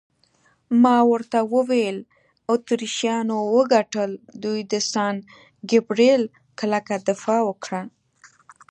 ما ورته وویل: اتریشیانو وګټل، دوی د سان ګبرېل کلکه دفاع وکړه.